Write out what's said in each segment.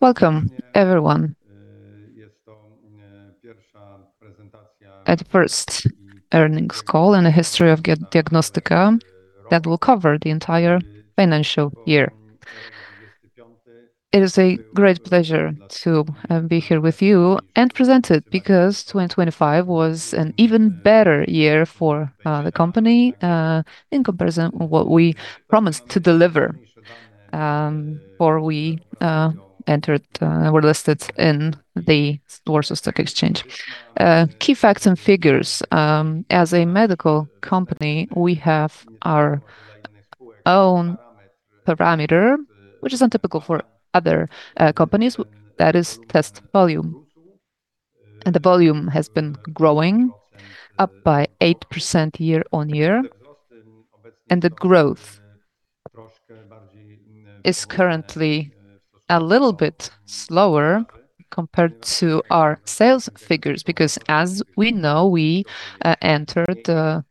Welcome, everyone. This is the first earnings call in the history of Diagnostyka that will cover the entire financial year. It is a great pleasure to be here with you and present it, because 2025 was an even better year for the company in comparison with what we promised to deliver before we were listed on the Warsaw Stock Exchange. Key facts and figures. As a medical company, we have our own parameter, which is untypical for other companies, that is test volume. The volume has been growing up by 8% year-over-year. The growth is currently a little bit slower compared to our sales figures, because as we know, we entered the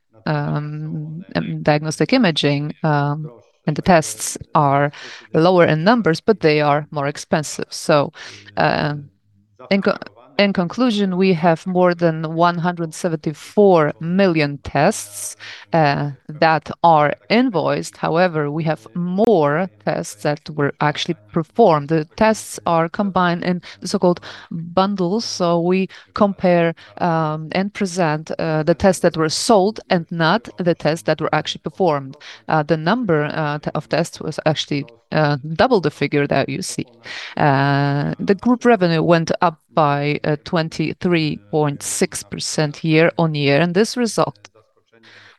diagnostic imaging, and the tests are lower in numbers, but they are more expensive. In conclusion, we have more than 174 million tests that are invoiced. However, we have more tests that were actually performed. The tests are combined in so-called bundles, so we compare and present the tests that were sold and not the tests that were actually performed. The number of tests was actually double the figure that you see. The group revenue went up by 23.6% year-over-year, and this result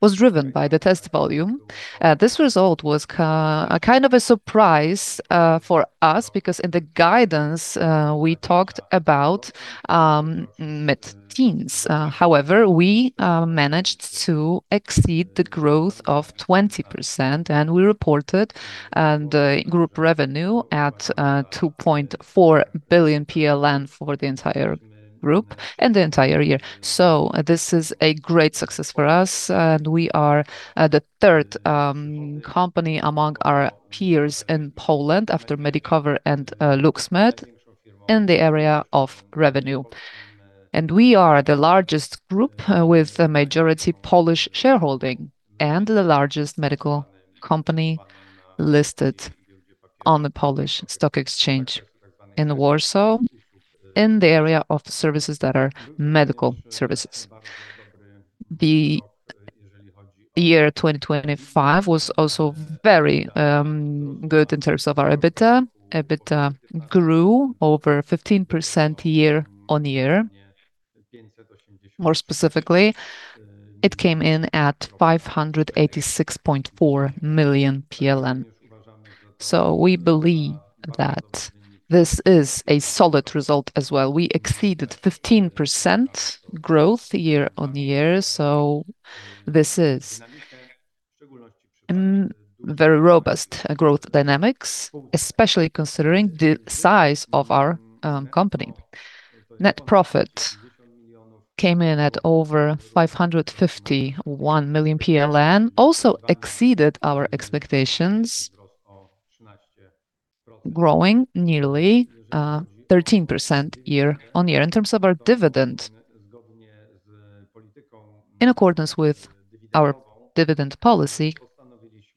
was driven by the test volume. This result was kind of a surprise for us because in the guidance, we talked about mid-teens. However, we managed to exceed the growth of 20% and we reported the group revenue at 2.4 billion PLN for the entire group and the entire year. This is a great success for us, and we are the third company among our peers in Poland after Medicover and LUX MED in the area of revenue. We are the largest group with a majority Polish shareholding and the largest medical company listed on the Warsaw Stock Exchange in the area of services that are medical services. The year 2025 was also very good in terms of our EBITDA. EBITDA grew over 15% year-on-year. More specifically, it came in at 586.4 million PLN. We believe that this is a solid result as well. We exceeded 15% growth year-on-year, so this is very robust growth dynamics, especially considering the size of our company. Net profit came in at over 551 million PLN, also exceeded our expectations, growing nearly 13% year-on-year. In terms of our dividend, in accordance with our dividend policy,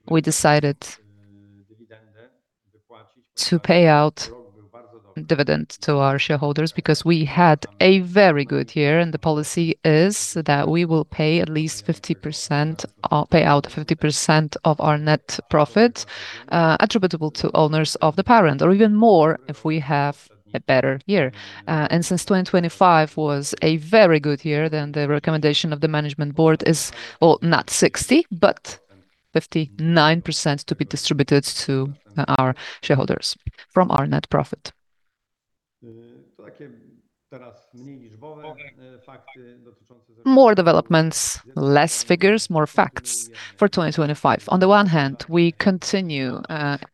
we decided to pay out dividends to our shareholders because we had a very good year. And the policy is that we will pay out 50% of our net profit attributable to owners of the parent or even more if we have a better year. Since 2025 was a very good year, then the recommendation of the Management Board is, well, not 60%, but 59% to be distributed to our shareholders from our net profit. More developments, less figures, more facts for 2025. On the one hand, we continue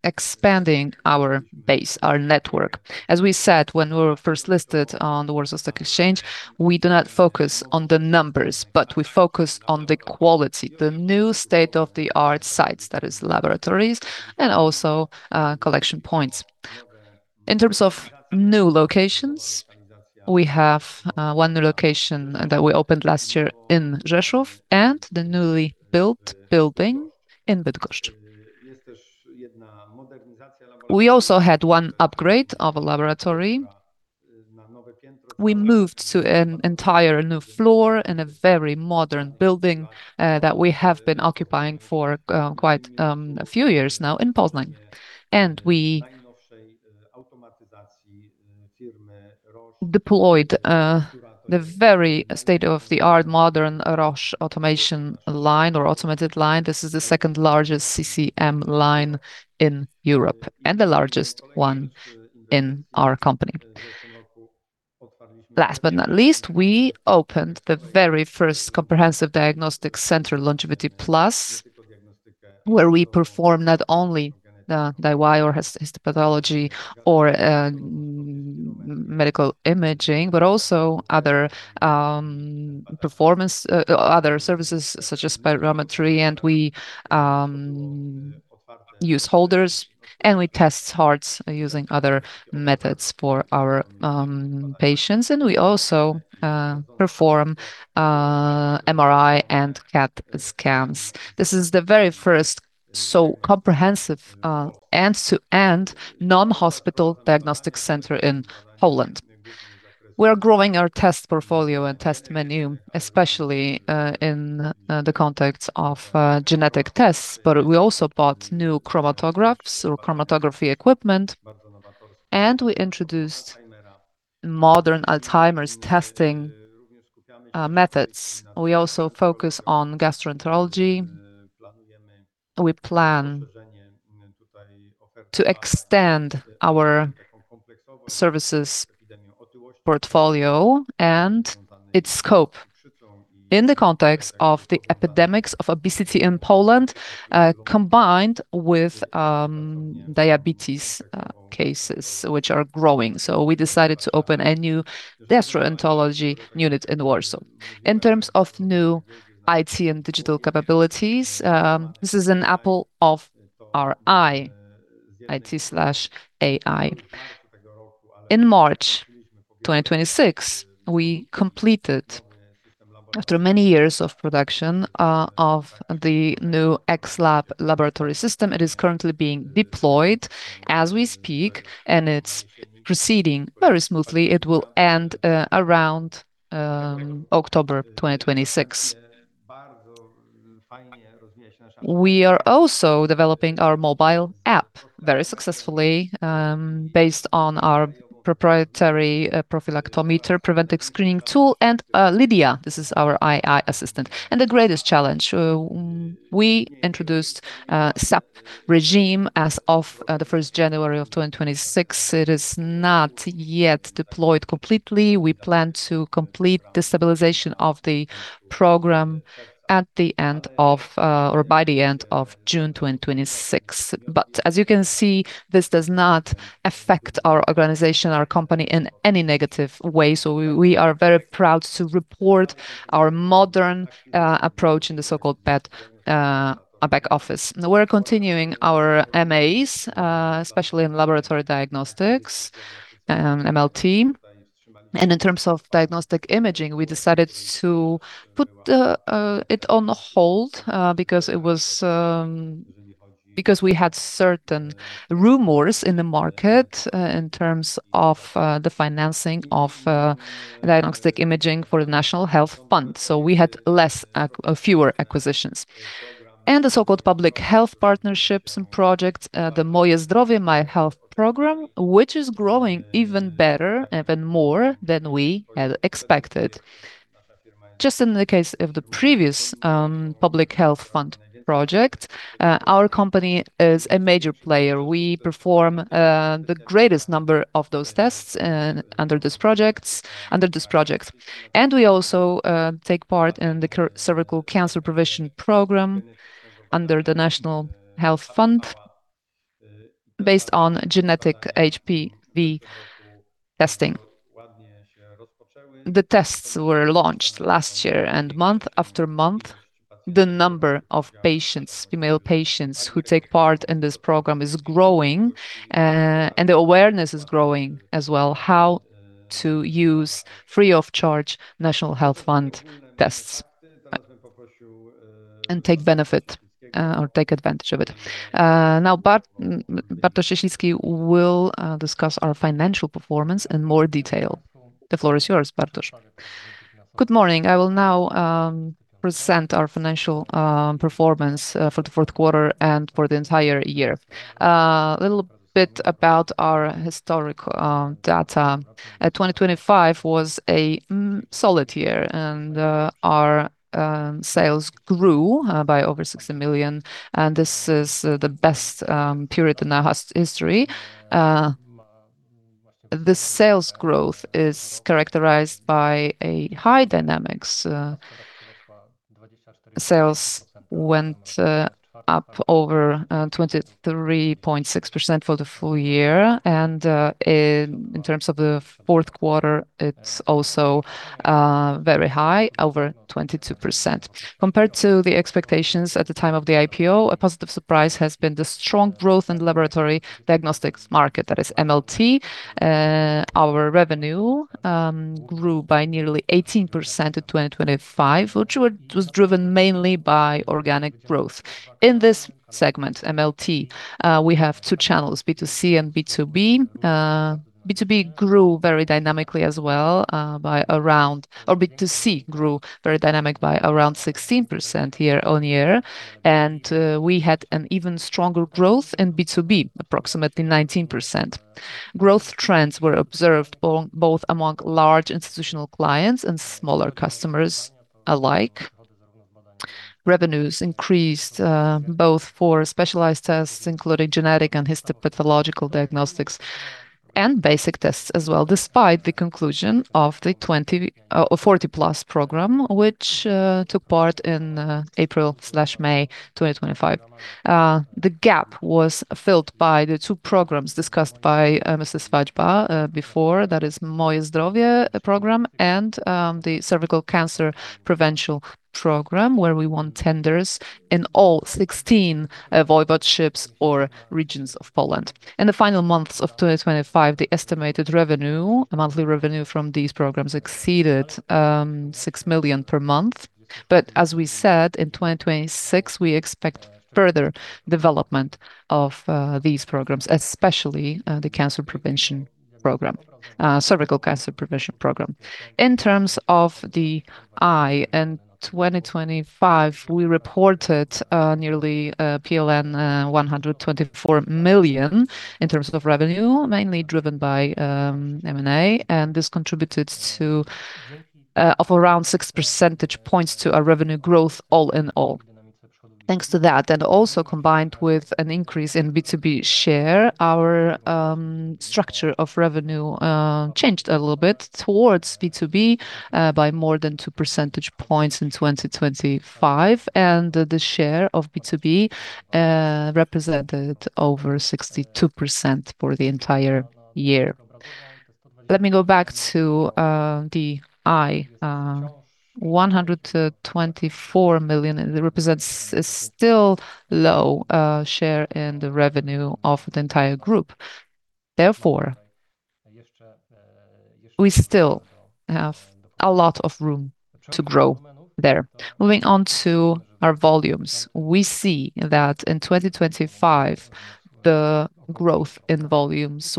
expanding our base, our network. As we said when we were first listed on the Warsaw Stock Exchange, we do not focus on the numbers, but we focus on the quality, the new state-of-the-art sites, that is laboratories, and also collection points. In terms of new locations, we have one new location that we opened last year in Rzeszów and the newly built building in Bydgoszcz. We also had one upgrade of a laboratory. We moved to an entire new floor in a very modern building that we have been occupying for quite a few years now in Poznań. We deployed the very state-of-the-art modern Roche automation line or automated line. This is the second largest CCM line in Europe and the largest one in our company. Last but not least, we opened the very first comprehensive diagnostic center, Longevity+ where we perform not only the DI or Histopathology or Medical Imaging, but also other services such as spirometry. We use Holters, and we test hearts using other methods for our patients. We also perform MRI and CT scans. This is the very first so comprehensive, end-to-end, non-hospital diagnostic center in Poland. We are growing our test portfolio and test menu, especially in the context of genetic tests. But we also bought new Chromatographs or Chromatography equipment, and we introduced modern Alzheimer's testing methods. We also focus on gastroenterology. We plan to extend our services portfolio and its scope in the context of the epidemics of obesity in Poland, combined with diabetes cases, which are growing. We decided to open a new gastroenterology unit in Warsaw. In terms of new IT and digital capabilities, this is an apple of our eye, IT/AI. In March 2026, we completed, after many years of production, of the new xLAB laboratory system. It is currently being deployed as we speak, and it's proceeding very smoothly. It will end around October 2026. We are also developing our mobile app very successfully based on our proprietary Profilaktometr preventive screening tool, and LiDia, this is our AI assistant. The greatest challenge, we introduced SAP regime as of the 1st January of 2026. It is not yet deployed completely. We plan to complete the stabilization of the program by the end of June 2026. As you can see, this does not affect our organization, our company, in any negative way. We are very proud to report our modern approach in the so-called Back Office. Now we're continuing our M&As, especially in laboratory diagnostics and MLT. In terms of diagnostic imaging, we decided to put it on hold because we had certain rumors in the market, in terms of the financing of diagnostic imaging for the National Health Fund. We had fewer acquisitions. The so-called Public Health Partnerships and Projects, the Moje Zdrowie, My Health Program, which is growing even better, even more than we had expected. Just in the case of the previous public health fund project, our company is a major player. We perform the greatest number of those tests under this project. We also take part in the cervical cancer prevention program under the National Health Fund based on genetic HPV testing. The tests were launched last year, and month-after-month, the number of female patients who take part in this program is growing. The awareness is growing as well, how to use free of charge National Health Fund tests and take benefit or take advantage of it. Now, Bartosz Cieślicki will discuss our financial performance in more detail. The floor is yours, Bartosz. Good morning. I will now present our financial performance for the fourth quarter and for the entire year. A little bit about our historic data. 2025 was a solid year, and our sales grew by over 60 million, and this is the best period in our history. The sales growth is characterized by a high dynamics. Sales went up over 23.6% for the full year. In terms of the fourth quarter, it's also very high, over 22%. Compared to the expectations at the time of the IPO, a positive surprise has been the strong growth in laboratory diagnostics market, that is MLT. Our revenue grew by nearly 18% in 2025, which was driven mainly by organic growth. In this segment, MLT, we have two channels, B2C and B2B. B2B grew very dynamically as well, by around. Or B2C grew very dynamic by around 16% year-over-year. We had an even stronger growth in B2B, approximately 19%. Growth trends were observed both among large institutional clients and smaller customers alike. Revenues increased both for specialized tests, including genetic and histopathological diagnostics and basic tests as well, despite the conclusion of the 40 PLUS program, which took place in April/May 2025. The gap was filled by the two programs discussed by Mr. Swadźba before. That is Moje Zdrowie program and the Cervical Cancer Prevention program, where we won tenders in all 16 voivodeships or regions of Poland. In the final months of 2025, the estimated monthly revenue from these programs exceeded 6 million per month. As we said, in 2026, we expect further development of these programs, especially the cervical cancer prevention program. In terms of DI, in 2025, we reported nearly PLN 124 million in terms of revenue, mainly driven by M&A. This contributed around 6 percentage points to our revenue growth all in all. Thanks to that, and also combined with an increase in B2B share, our structure of revenue changed a little bit towards B2B by more than 2 percentage points in 2025, and the share of B2B represented over 62% for the entire year. Let me go back to DI. 124 million represents a still low share in the revenue of the entire group. Therefore, we still have a lot of room to grow there. Moving on to our volumes. We see that in 2025, the growth in volumes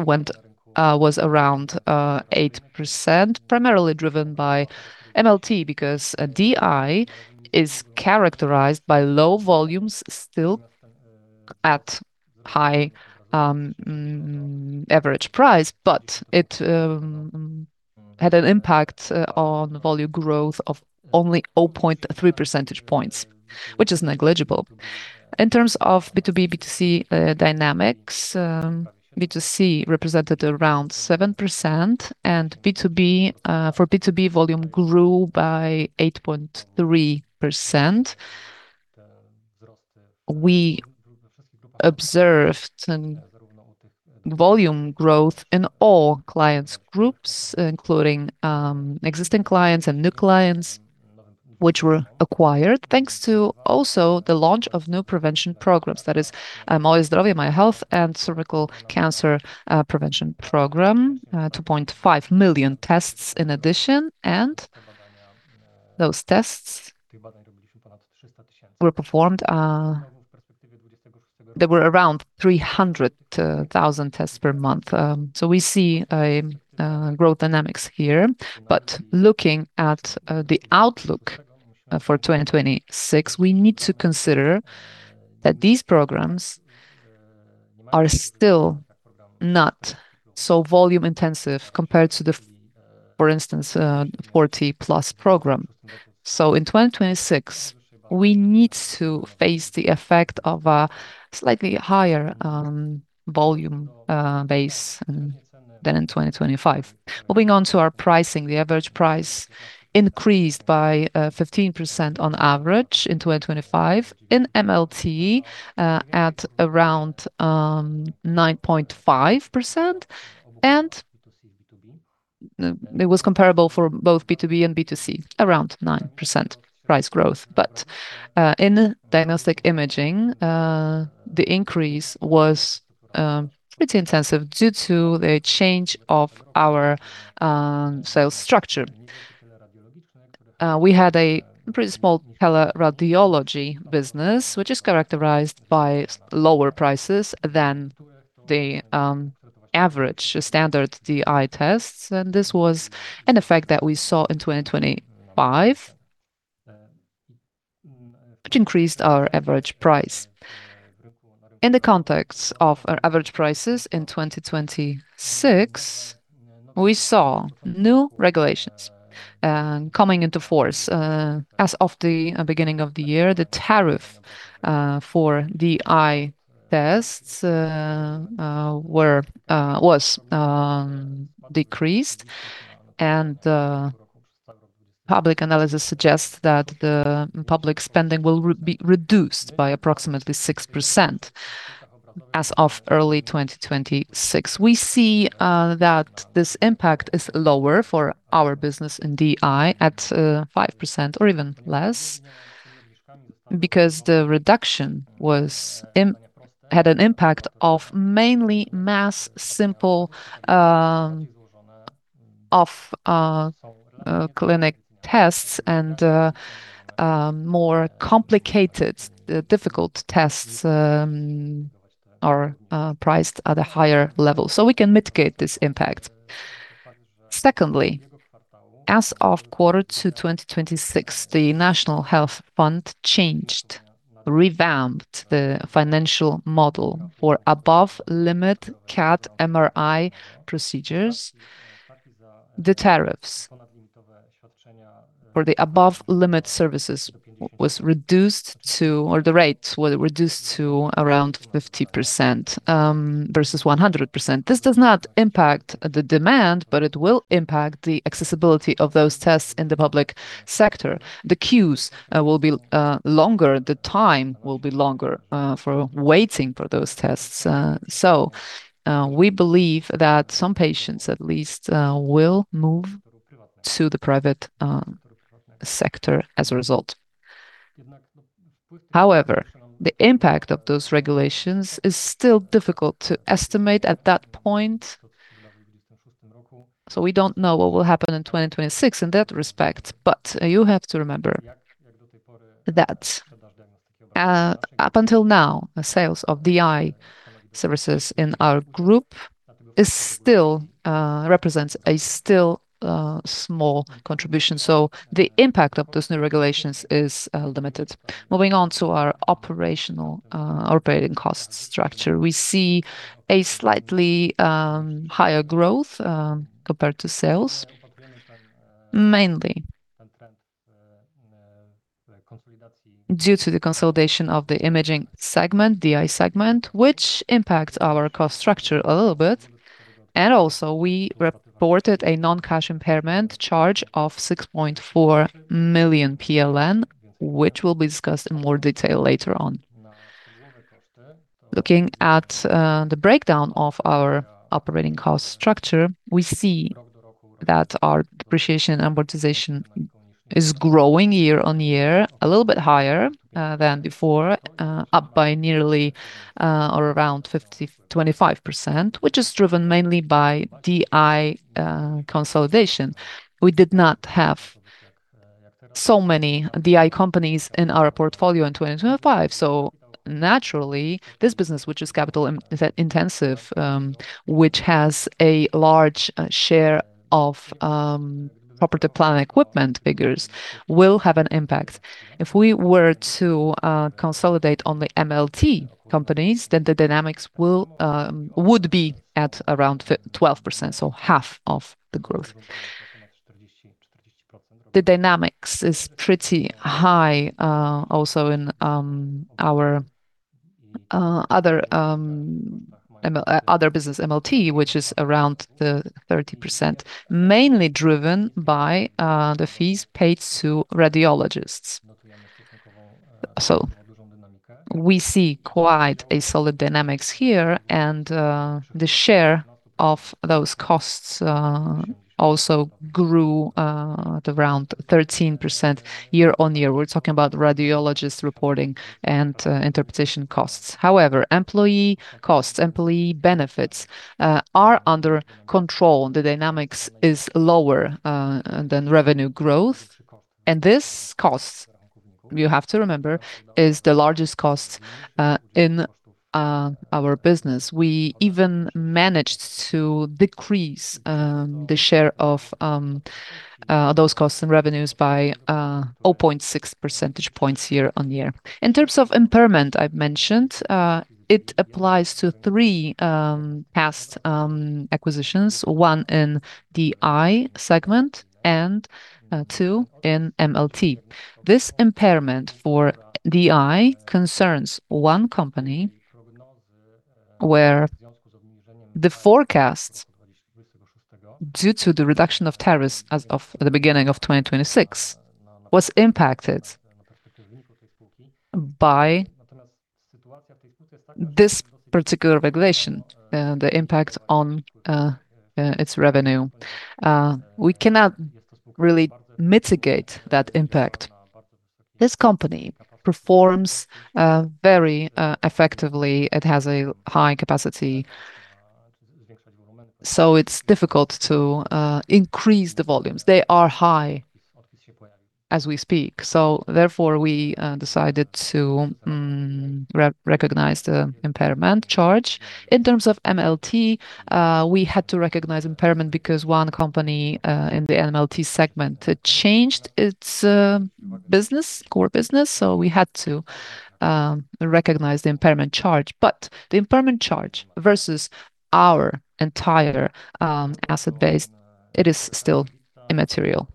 was around 8%, primarily driven by MLT, because DI is characterized by low volumes still at high average price. It had an impact on volume growth of only 0.3 percentage points, which is negligible. In terms of B2B, B2C dynamics, B2C represented around 7%, and for B2B, volume grew by 8.3%. We observed volume growth in all clients groups, including existing clients and new clients, which were acquired thanks to also the launch of new prevention programs. That is Moje Zdrowie, My Health, and Cervical Cancer Prevention program, 2.5 million tests in addition. Those tests were performed. There were around 300,000 tests per month. We see growth dynamics here, but looking at the outlook for 2026, we need to consider that these programs are still not so volume intensive compared to the, for instance, 40 PLUS program. In 2026, we need to face the effect of a slightly higher volume base than in 2025. Moving on to our pricing. The average price increased by 15% on average in 2025. In MLT, at around 9.5%, and it was comparable for both B2B and B2C, around 9% price growth. In Diagnostic Imaging, the increase was pretty intensive due to the change of our sales structure. We had a pretty small teleradiology business, which is characterized by lower prices than the average standard DI tests, and this was an effect that we saw in 2025, which increased our average price. In the context of our average prices in 2026, we saw new regulations coming into force. As of the beginning of the year, the tariff for DI tests was decreased, and public analysis suggests that the public spending will be reduced by approximately 6% as of early 2026. We see that this impact is lower for our business in DI at 5% or even less, because the reduction had an impact mainly on mass simple clinic tests and more complicated, difficult tests are priced at a higher level, so we can mitigate this impact. Secondly, as of Q2 2026, the National Health Fund changed, revamped the financial model for above-limit CAT, MRI procedures. The tariffs for the above-limit services were reduced to, or the rates were reduced to around 50% versus 100%. This does not impact the demand, but it will impact the accessibility of those tests in the public sector. The queues will be longer, the time will be longer for waiting for those tests. We believe that some patients, at least, will move to the private sector as a result. However, the impact of those regulations is still difficult to estimate at that point. We don't know what will happen in 2026 in that respect. You have to remember that up until now, sales of DI services in our group still represents a small contribution. The impact of those new regulations is limited. Moving on to our operating cost structure. We see a slightly higher growth compared to sales. Mainly due to the consolidation of the imaging segment, DI segment, which impacts our cost structure a little bit. Also we reported a non-cash impairment charge of 6.4 million PLN, which will be discussed in more detail later on. Looking at the breakdown of our operating cost structure, we see that our depreciation amortization is growing year-over-year, a little bit higher than before, up by nearly or around 25%, which is driven mainly by DI consolidation. We did not have so many DI companies in our portfolio in 2025. Naturally, this business, which is capital intensive, which has a large share of property, plant, and equipment figures, will have an impact. If we were to consolidate only MLT companies, then the dynamics would be at around 12%, so half of the growth. The dynamics is pretty high also in our other business, MLT, which is around 30%, mainly driven by the fees paid to radiologists. We see quite a solid dynamics here and the share of those costs also grew to around 13% year-over-year. We're talking about radiologists reporting and interpretation costs. However, employee costs, employee benefits are under control. The dynamics is lower than revenue growth. This cost, you have to remember, is the largest cost in our business. We even managed to decrease the share of those costs and revenues by 0.6 percentage points year-over-year. In terms of impairment, I've mentioned it applies to three past acquisitions, one in DI segment and two in MLT. This impairment for DI concerns one company where the forecast, due to the reduction of tariffs as of the beginning of 2026, was impacted by this particular regulation, the impact on its revenue. We cannot really mitigate that impact. This company performs very effectively. It has a high capacity, so it's difficult to increase the volumes. They are high as we speak. Therefore, we decided to recognize the impairment charge. In terms of MLT, we had to recognize impairment because one company in the MLT segment changed its core business. We had to recognize the impairment charge. The impairment charge versus our entire asset base, it is still immaterial.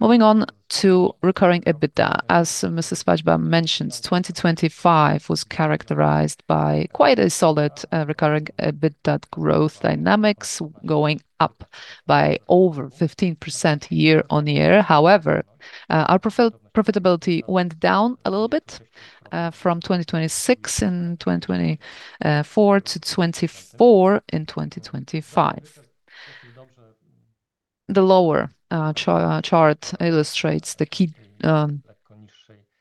Moving on to recurring EBITDA. As Mr. Swadźba mentioned, 2025 was characterized by quite a solid recurring EBITDA growth dynamics, going up by over 15% year-over-year. However, our profitability went down a little bit from 26% in 2024 to 24% in 2025. The lower chart illustrates the key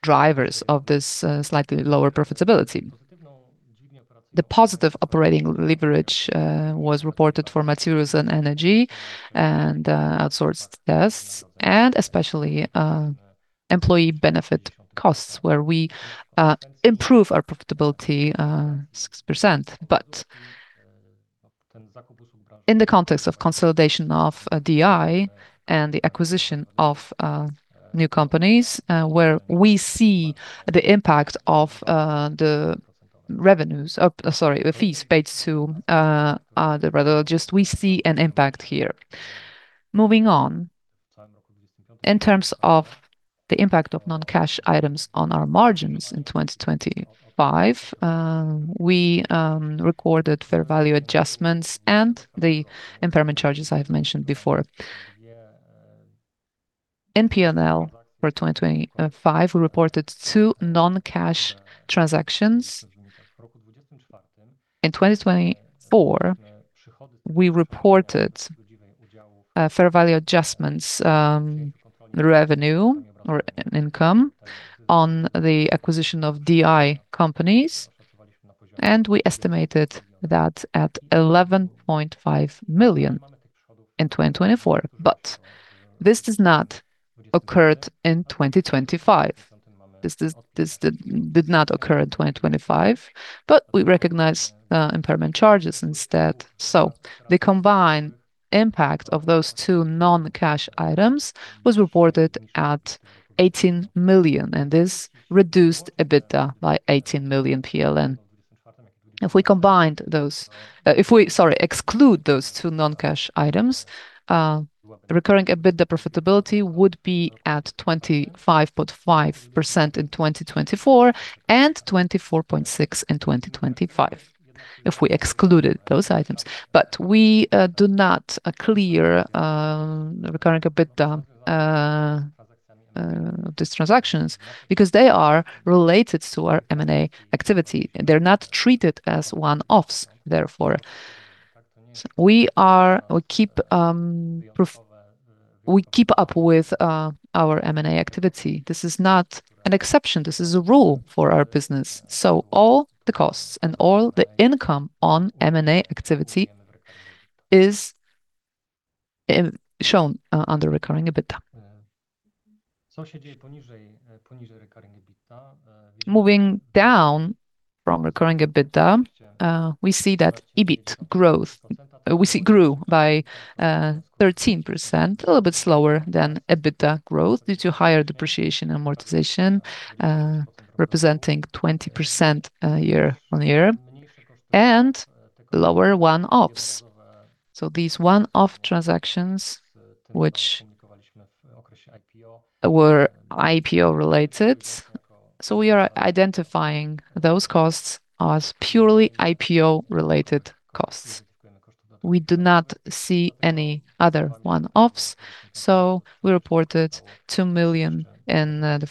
drivers of this slightly lower profitability. The positive operating leverage was reported for materials and energy and outsourced tests and especially employee benefit costs, where we improve our profitability 6%. In the context of consolidation of DI and the acquisition of new companies, where we see the impact of the revenues, or sorry, fees paid to the radiologist, we see an impact here. Moving on, in terms of the impact of non-cash items on our margins in 2025, we recorded fair value adjustments and the impairment charges I've mentioned before. In P&L for 2025, we reported two non-cash transactions. In 2024, we reported fair value adjustments, revenue or income on the acquisition of DI companies, and we estimated that at 11.5 million in 2024. This does not occurred in 2025. This did not occur in 2025, but we recognized impairment charges instead. The combined impact of those two non-cash items was reported at 18 million, and this reduced EBITDA by 18 million PLN. If we exclude those two non-cash items, recurring EBITDA profitability would be at 25.5% in 2024 and 24.6% in 2025, if we excluded those items. We do not clear recurring EBITDA, these transactions, because they are related to our M&A activity. They're not treated as one-offs, therefore. We keep up with our M&A activity. This is not an exception. This is a rule for our business. All the costs and all the income on M&A activity is shown under recurring EBITDA. Moving down from recurring EBITDA, we see that EBIT growth grew by 13%, a little bit slower than EBITDA growth due to higher depreciation amortization, representing 20% year-over-year and lower one-offs. These one-off transactions, which were IPO-related, we are identifying those costs as purely IPO-related costs. We do not see any other one-offs, so we reported 2 million in the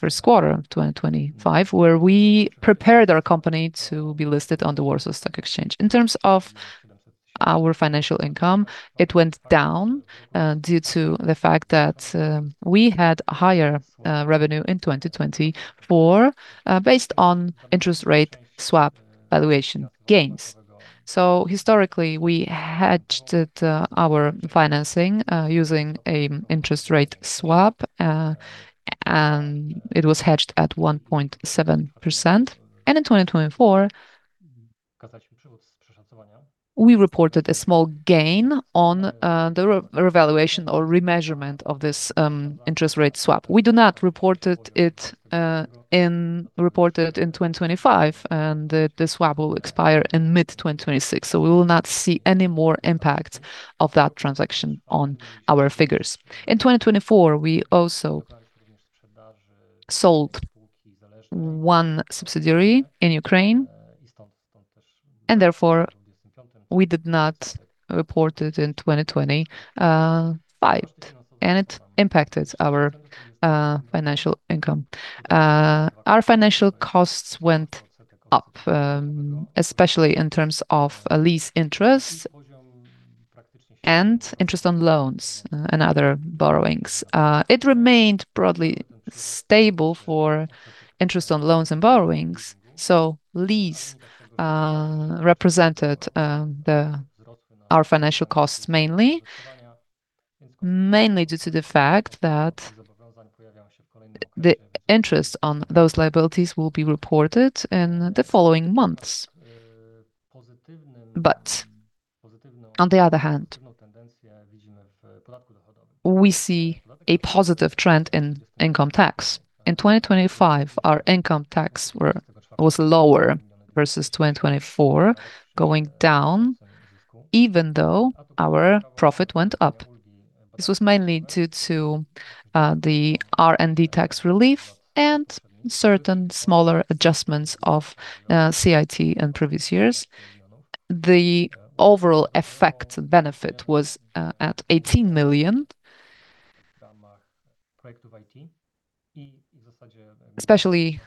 first quarter of 2025, where we prepared our company to be listed on the Warsaw Stock Exchange. In terms of our financial income, it went down due to the fact that we had higher revenue in 2024, based on interest rate swap valuation gains. Historically, we hedged our financing using an interest rate swap, and it was hedged at 1.7%. In 2024, we reported a small gain on the revaluation or remeasurement of this interest rate swap. We do not report it in 2025, and the swap will expire in mid-2026. We will not see any more impact of that transaction on our figures. In 2024, we also sold one subsidiary in Ukraine, and therefore, we did not report it in 2025, and it impacted our financial income. Our financial costs went up, especially in terms of lease interest and interest on loans and other borrowings. It remained broadly stable for interest on loans and borrowings. Lease represented our financial costs mainly due to the fact that the interest on those liabilities will be reported in the following months. On the other hand, we see a positive trend in income tax. In 2025, our income tax was lower versus 2024, going down, even though our profit went up. This was mainly due to the R&D tax relief and certain smaller adjustments of CIT in previous years. The overall effect benefit was at 18 million. Especially,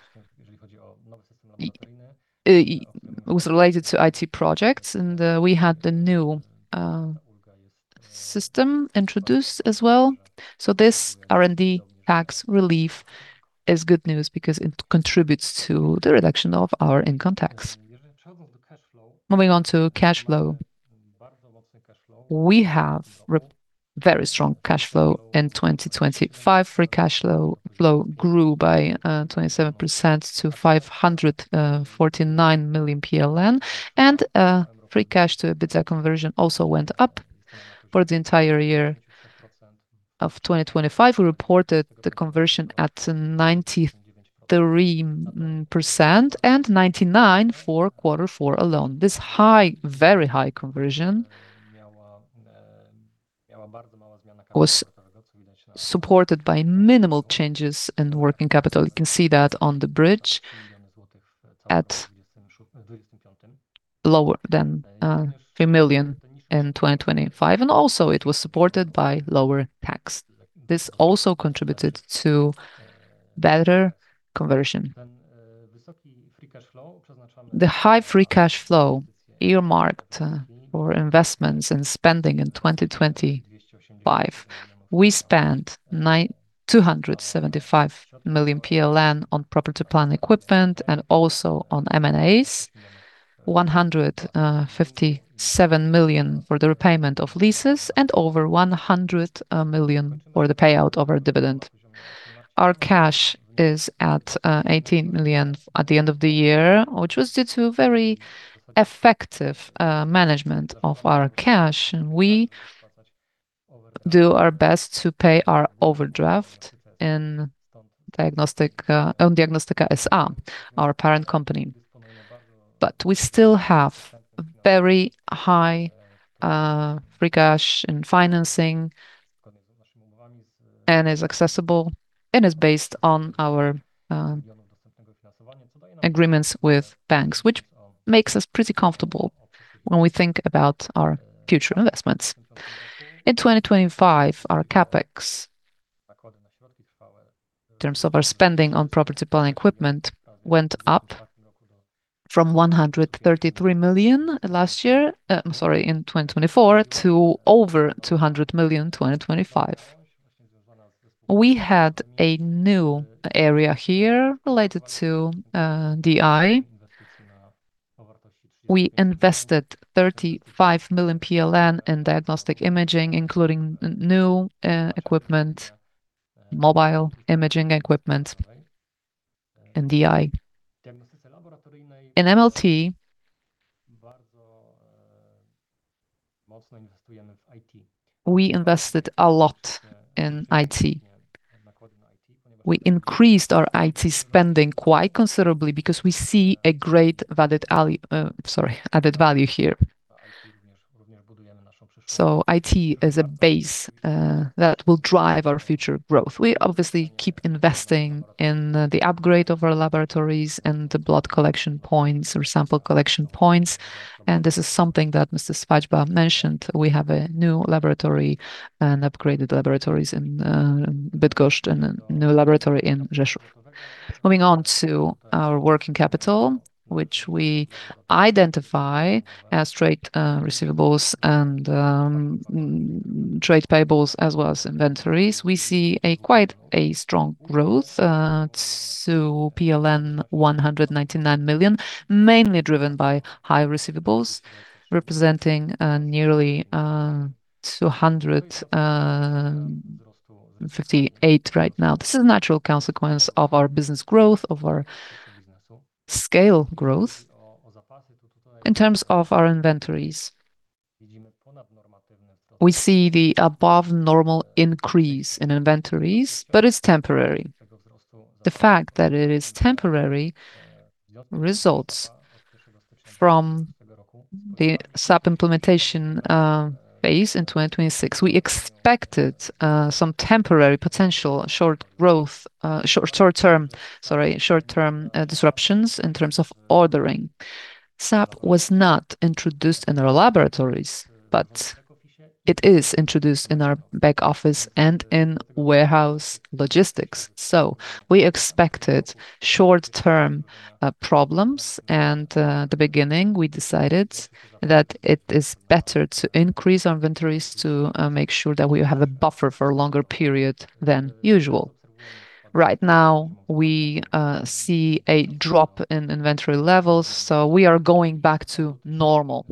it was related to IT projects, and we had the new system introduced as well. This R&D tax relief is good news because it contributes to the reduction of our income tax. Moving on to cash flow. We have very strong cash flow in 2025. Free cash flow grew by 27% to 549 million PLN, and free cash to EBITDA conversion also went up for the entire year of 2025. We reported the conversion at 93% and 99% for quarter four alone. This very high conversion was supported by minimal changes in working capital. You can see that on the bridge at lower than 3 million in 2025, and also it was supported by lower tax. This also contributed to better conversion. The high free cash flow earmarked for investments and spending in 2025. We spent 275 million PLN on property, plant, equipment, and also on M&As, 157 million for the repayment of leases, and over 100 million for the payout of our dividend. Our cash is at 18 million at the end of the year, which was due to very effective management of our cash. We do our best to pay our overdraft in Diagnostyka S.A., our parent company. We still have very high free cash and financing, and it is accessible and it is based on our agreements with banks, which makes us pretty comfortable when we think about our future investments. In 2025, our CapEx in terms of our spending on property, plant, equipment went up from 133 million last year, I'm sorry, in 2024 to over 200 million in 2025. We had a new area here related to DI. We invested 35 million PLN in Diagnostic Imaging, including new equipment, mobile imaging equipment in DI. In MLT, we invested a lot in IT. We increased our IT spending quite considerably because we see a great added value here. IT is a base that will drive our future growth. We obviously keep investing in the upgrade of our laboratories and the blood collection points or sample collection points, and this is something that Mr. Swadźba mentioned. We have a new laboratory and upgraded laboratories in Bydgoszcz and a new laboratory in Rzeszów. Moving on to our working capital, which we identify as trade receivables and trade payables, as well as inventories. We see quite a strong growth to PLN 199 million, mainly driven by high receivables, representing nearly 258 days right now. This is a natural consequence of our business growth, of our scale growth. In terms of our inventories, we see the above normal increase in inventories, but it's temporary. The fact that it is temporary results from the SAP implementation phase in 2026. We expected some temporary potential short-term growth, short-term disruptions in terms of ordering. SAP was not introduced in our laboratories, but it is introduced in our back office and in warehouse logistics. We expected short-term problems, and at the beginning, we decided that it is better to increase our inventories to make sure that we have a buffer for a longer period than usual. Right now, we see a drop in inventory levels, so we are going back to normal.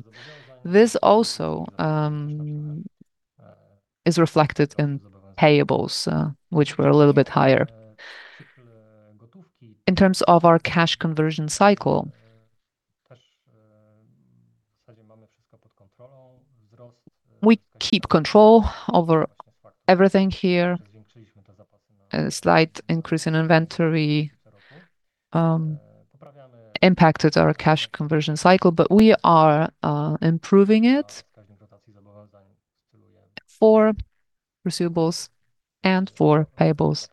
This also is reflected in payables, which were a little bit higher. In terms of our cash conversion cycle, we keep control over everything here. A slight increase in inventory impacted our cash conversion cycle, but we are improving it for receivables and for payables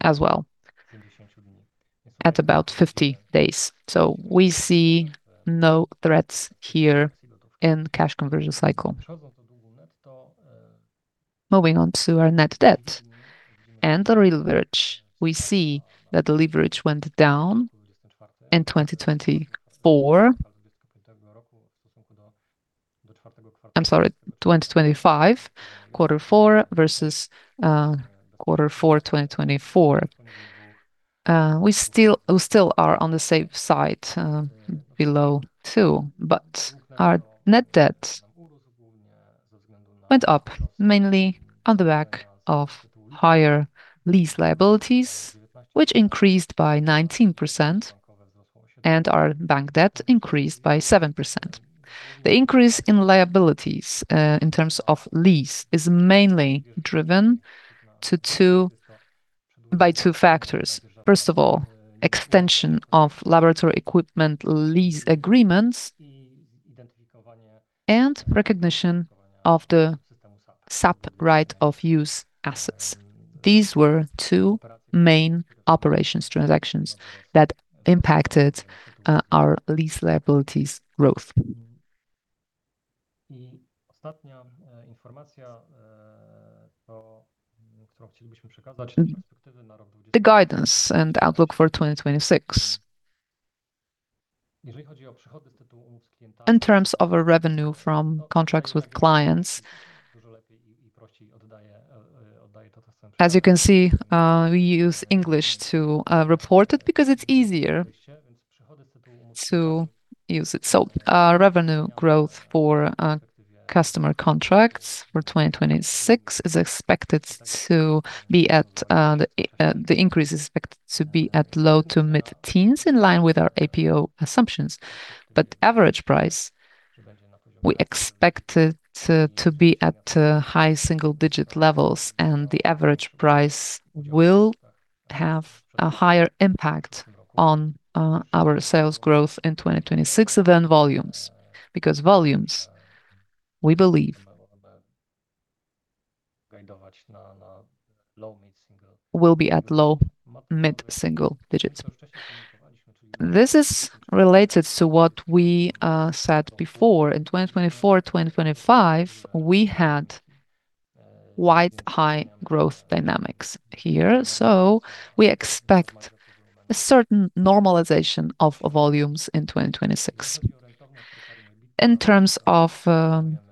as well at about 50 days. We see no threats here in cash conversion cycle. Moving on to our net debt and the leverage. We see that the leverage went down in 2024. I'm sorry, 2025, quarter four versus quarter four 2024. We still are on the safe side below two. Our net debt went up mainly on the back of higher lease liabilities, which increased by 19%. Our bank debt increased by 7%. The increase in liabilities, in terms of lease, is mainly driven by two factors. First of all, extension of laboratory equipment lease agreements and recognition of the SAP right of use assets. These were two main operations transactions that impacted our lease liabilities growth. The guidance and outlook for 2026. In terms of our revenue from contracts with clients, as you can see, we use English to report it because it's easier to use it. Our revenue growth for customer contracts for 2026, the increase is expected to be at low- to mid-teens, in line with our APO assumptions. Average price, we expect to be at high-single digit levels, and the average price will have a higher impact on our sales growth in 2026 than volumes. Volumes, we believe, will be at low-mid single digits. This is related to what we said before. In 2024-2025, we had quite high growth dynamics here. We expect a certain normalization of volumes in 2026. In terms of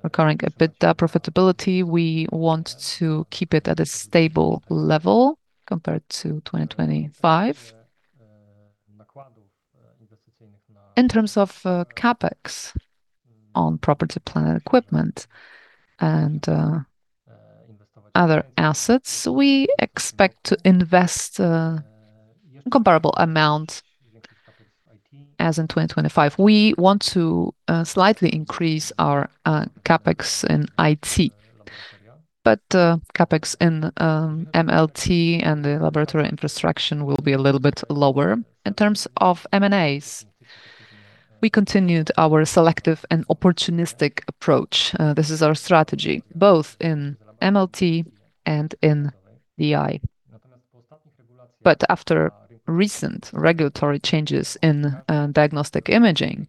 recurring EBITDA profitability, we want to keep it at a stable level compared to 2025. In terms of CapEx on property, plant equipment, and other assets, we expect to invest a comparable amount as in 2025. We want to slightly increase our CapEx in IT. CapEx in MLT and the laboratory infrastructure will be a little bit lower. In terms of M&As, we continued our selective and opportunistic approach. This is our strategy, both in MLT and in DI. After recent regulatory changes in diagnostic imaging,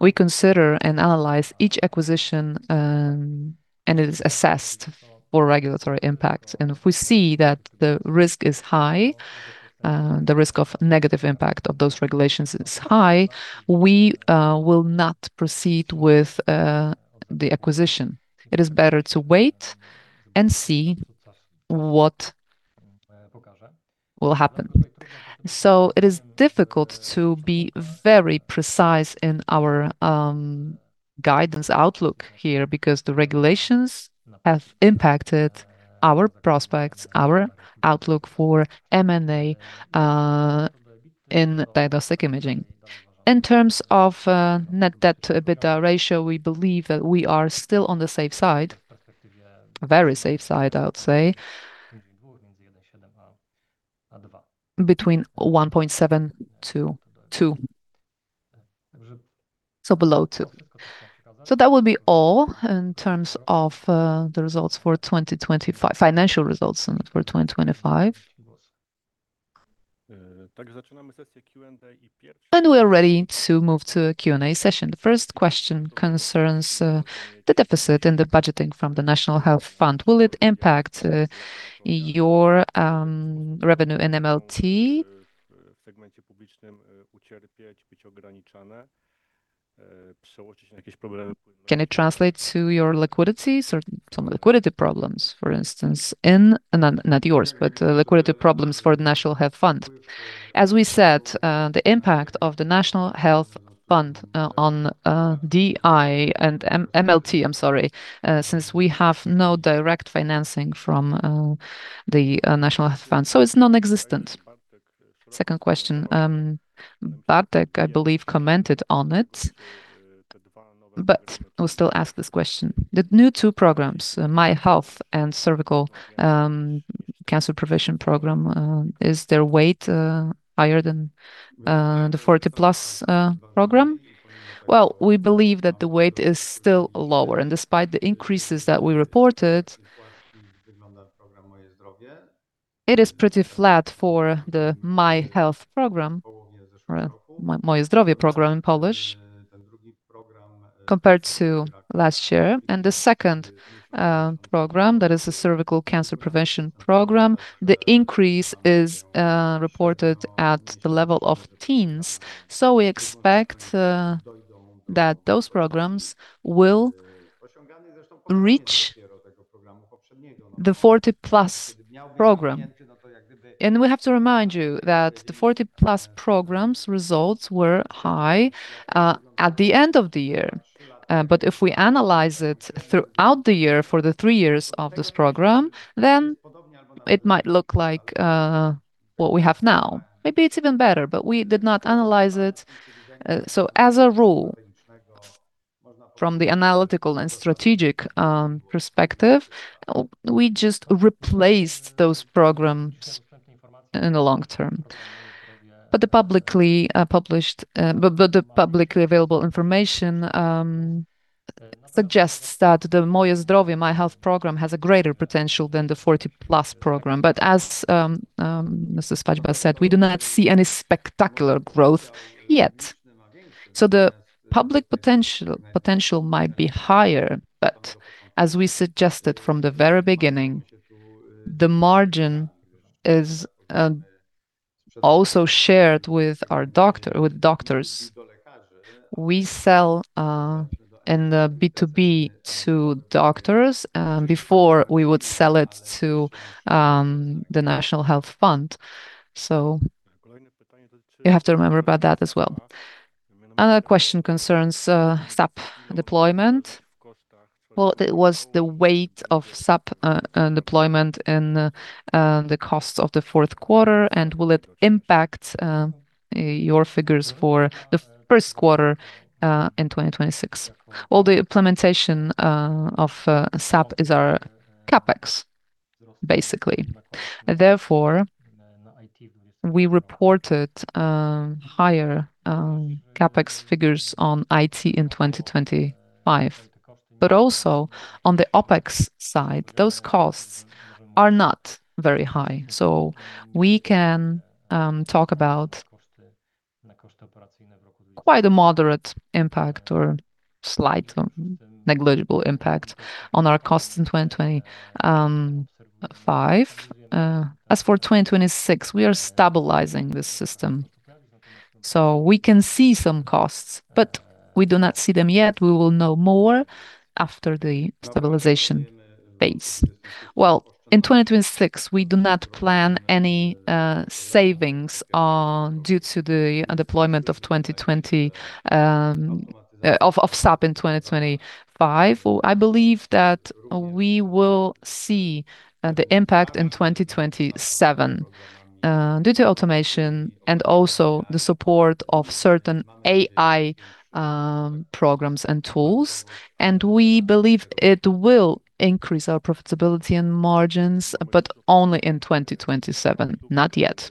we consider and analyze each acquisition, and it is assessed for regulatory impact. If we see that the risk of negative impact of those regulations is high, we will not proceed with the acquisition. It is better to wait and see what will happen. It is difficult to be very precise in our guidance outlook here, because the regulations have impacted our prospects, our outlook for M&A in diagnostic imaging. In terms of net debt-to-EBITDA ratio, we believe that we are still on the safe side. Very safe side, I would say. Between 1.7-2. Below 2. That will be all in terms of the financial results for 2025. We are ready to move to a Q&A session. The first question concerns the deficit and the budgeting from the National Health Fund. Will it impact your revenue in MLT? Can it translate to some liquidity problems, for instance, not yours, but liquidity problems for the National Health Fund? As we said, the impact of the National Health Fund on DI and MLT. I'm sorry, since we have no direct financing from the National Health Fund, so it's nonexistent. Second question. Bartek, I believe, commented on it, but I'll still ask this question. The new two programs, My Health and Cervical Cancer Prevention program, is their weight higher than the 40 PLUS program? Well, we believe that the weight is still lower, and despite the increases that we reported, it is pretty flat for the My Health program or Moje Zdrowie program in Polish, compared to last year. The second program, that is the Cervical Cancer Prevention program, the increase is reported at the level of teens. We expect that those programs will reach the 40 PLUS program. We have to remind you that the 40 PLUS program's results were high at the end of the year. If we analyze it throughout the year for the three years of this program, then it might look like what we have now. Maybe it's even better, but we did not analyze it. As a rule, from the analytical and strategic perspective, we just replaced those programs in the long term. The publicly available information suggests that the Moje Zdrowie, My Health Program, has a greater potential than the 40 PLUS program. As Mr. Swadźba said, we do not see any spectacular growth yet. The public potential might be higher, but as we suggested from the very beginning, the margin is also shared with doctors. We sell in the B2B to doctors, before we would sell it to the National Health Fund. You have to remember about that as well. Another question concerns SAP deployment. What was the weight of SAP deployment in the costs of the fourth quarter, and will it impact your figures for the first quarter in 2026? Well, the implementation of SAP is our CapEx, basically. Therefore, we reported higher CapEx figures on IT in 2025. Also, on the OpEx side, those costs are not very high. We can talk about quite a moderate impact, or slight, negligible impact on our costs in 2025. As for 2026, we are stabilizing the system. We can see some costs, but we do not see them yet. We will know more after the stabilization phase. Well, in 2026, we do not plan any savings due to the deployment of SAP in 2025. I believe that we will see the impact in 2027 due to automation and also the support of certain AI programs and tools. We believe it will increase our profitability and margins, but only in 2027, not yet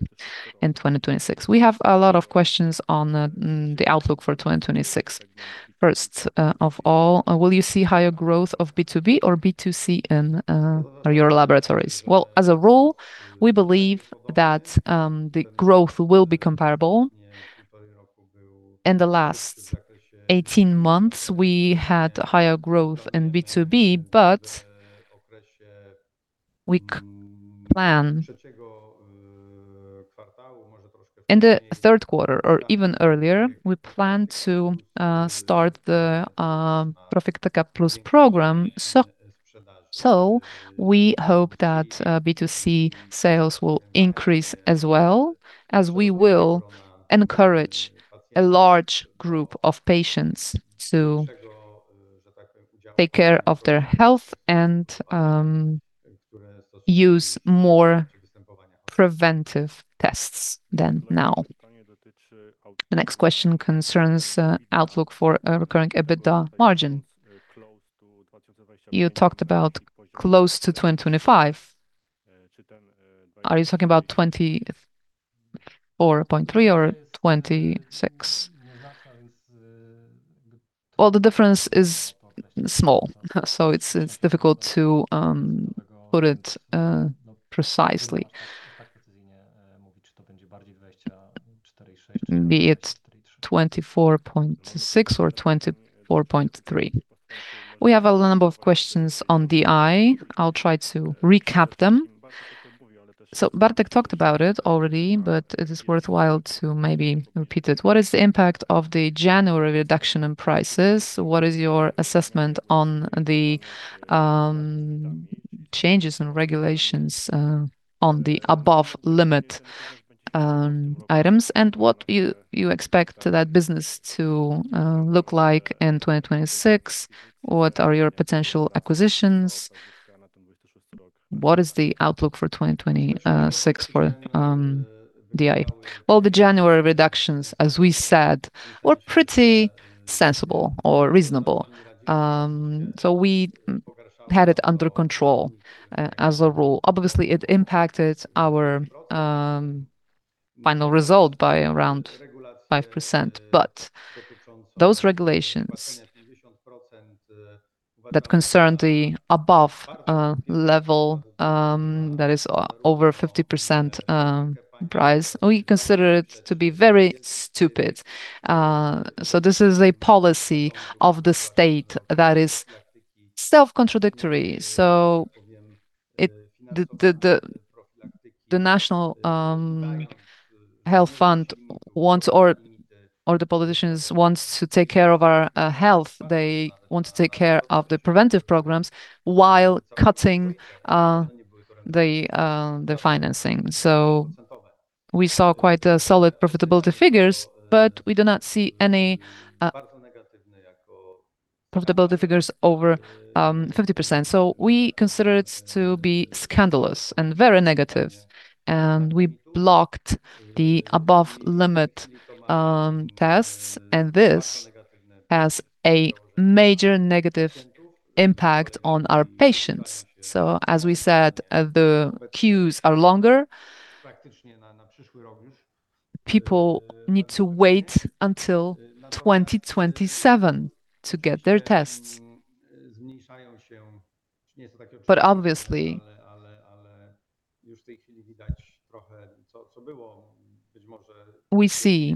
in 2026. We have a lot of questions on the outlook for 2026. First of all, will you see higher growth of B2B or B2C in your laboratories? Well, as a rule, we believe that the growth will be comparable. In the last 18 months, we had higher growth in B2B, but we plan in the third quarter or even earlier, we plan to start the Profilaktyka 40 PLUS program. We hope that B2C sales will increase as well, as we will encourage a large group of patients to take care of their health and use more preventive tests than now. The next question concerns outlook for a recurring EBITDA margin. You talked about close to 25%. Are you talking about 24.3% or 26%? Well, the difference is small, so it's difficult to put it precisely. Be it 24.6% or 24.3%. We have a number of questions on DI. I'll try to recap them. Bartek talked about it already, but it is worthwhile to maybe repeat it. What is the impact of the January reduction in prices? What is your assessment on the changes in regulations on the above limit items? What do you expect that business to look like in 2026? What are your potential acquisitions? What is the outlook for 2026 for DI? Well, the January reductions, as we said, were pretty sensible or reasonable. We had it under control, as a rule. Obviously, it impacted our final result by around 5%. Those regulations that concern the above level, that is over 50% price, we consider it to be very stupid. This is a policy of the state that is self-contradictory. The National Health Fund wants, or the politicians wants to take care of our health. They want to take care of the preventive programs while cutting the financing. We saw quite solid profitability figures, but we do not see any profitability figures over 50%. We consider it to be scandalous and very negative, and we blocked the above limit tests, and this has a major negative impact on our patients. As we said, the queues are longer. People need to wait until 2027 to get their tests. Obviously, we see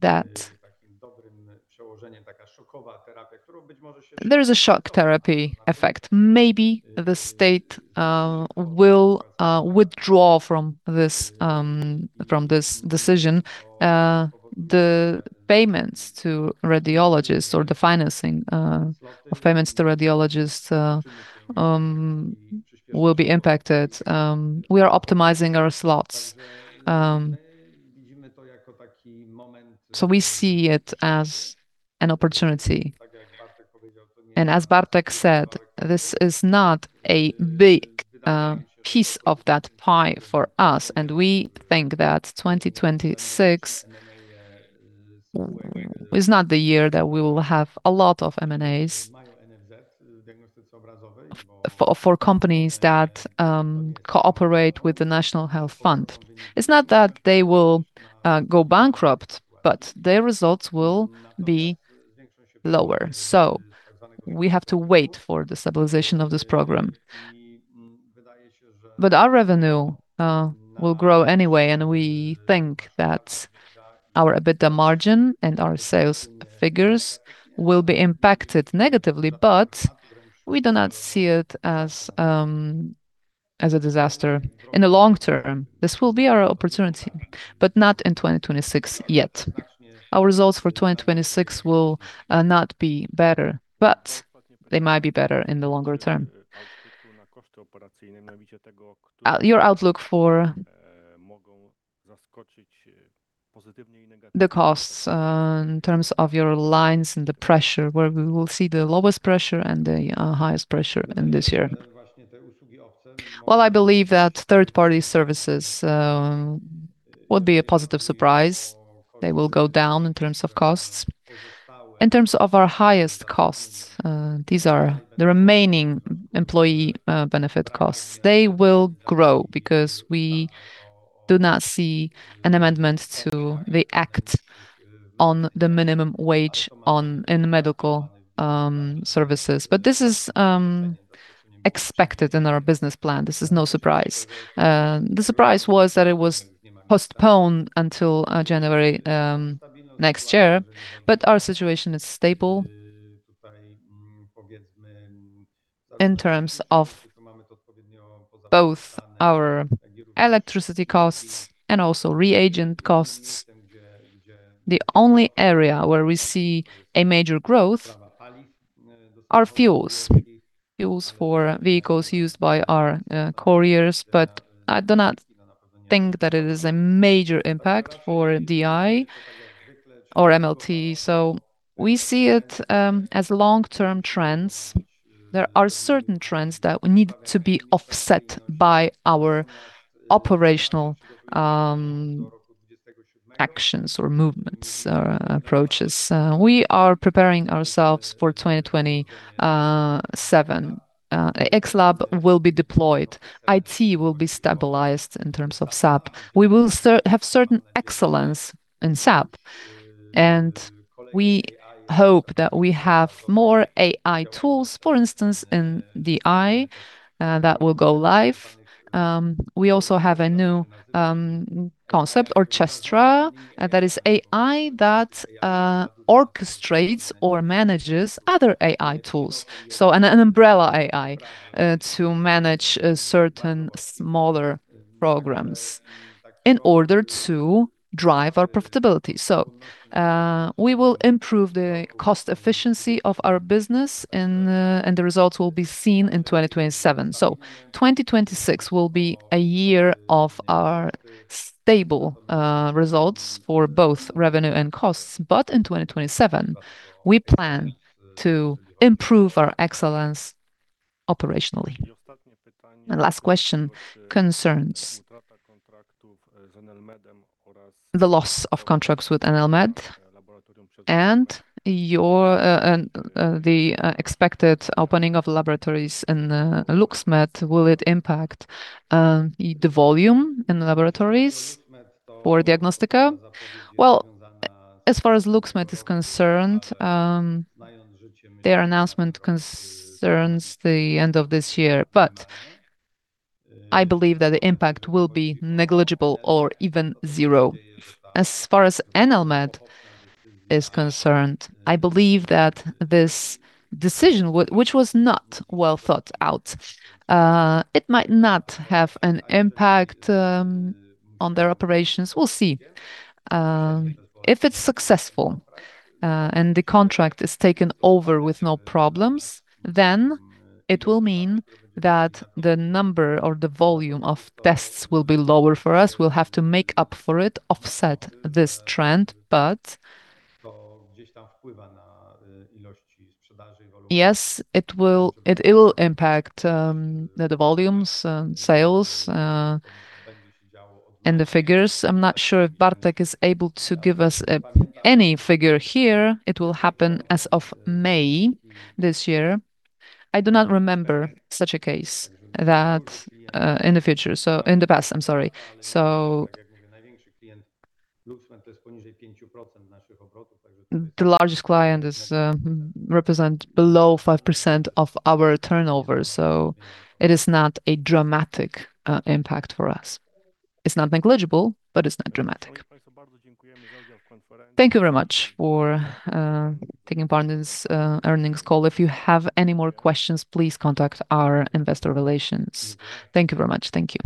that there is a shock therapy effect. Maybe the state will withdraw from this decision. The payments to radiologists or the financing of payments to radiologists will be impacted. We are optimizing our slots. We see it as an opportunity. As Bartek said, this is not a big piece of that pie for us, and we think that 2026 is not the year that we will have a lot of M&As for companies that cooperate with the National Health Fund. It's not that they will go bankrupt, but their results will be lower. We have to wait for the stabilization of this program. Our revenue will grow anyway, and we think that our EBITDA margin and our sales figures will be impacted negatively, but we do not see it as a disaster. In the long term, this will be our opportunity, but not in 2026 yet. Our results for 2026 will not be better, but they might be better in the longer term. Your outlook for the costs in terms of your lines and the pressure, where we will see the lowest pressure and the highest pressure in this year? Well, I believe that third-party services would be a positive surprise. They will go down in terms of costs. In terms of our highest costs, these are the remaining employee benefit costs. They will grow because we do not see an amendment to the Act on the Minimum Wage in Healthcare. This is expected in our business plan. This is no surprise. The surprise was that it was postponed until January next year. Our situation is stable in terms of both our electricity costs and also reagent costs. The only area where we see a major growth are fuels for vehicles used by our couriers. I do not think that it is a major impact for DI or MLT. We see it as long-term trends. There are certain trends that need to be offset by our operational actions or movements or approaches. We are preparing ourselves for 2027. xLab will be deployed. IT will be stabilized in terms of SAP. We will have certain excellence in SAP, and we hope that we have more AI tools, for instance, in DI that will go live. We also have a new concept, Orchestra, that is AI that orchestrates or manages other AI tools. An umbrella AI to manage certain smaller programs in order to drive our profitability. We will improve the cost efficiency of our business, and the results will be seen in 2027. 2026 will be a year of our stable results for both revenue and costs. In 2027, we plan to improve our excellence operationally. My last question concerns the loss of contracts with ENEL-MED and the expected opening of laboratories in LUX MED. Will it impact the volume in laboratories for Diagnostyka? Well, as far as LUX MED is concerned, their announcement concerns the end of this year, but I believe that the impact will be negligible or even zero. As far as ENEL-MED is concerned, I believe that this decision, which was not well thought out, it might not have an impact on their operations. We'll see. If it's successful, and the contract is taken over with no problems, then it will mean that the number or the volume of tests will be lower for us. We'll have to make up for it, offset this trend, but, yes, it will impact the volumes and sales, and the figures. I'm not sure if Bartek is able to give us any figure here. It will happen as of May this year. I do not remember such a case in the past. The largest client represent below 5% of our turnover. It is not a dramatic impact for us. It's not negligible, but it's not dramatic. Thank you very much for taking part in this earnings call. If you have any more questions, please contact our Investor Relations. Thank you very much. Thank you.